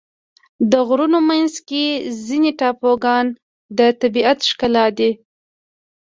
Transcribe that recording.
د غرونو منځ کې ځینې ټاپوګان د طبیعت ښکلا دي.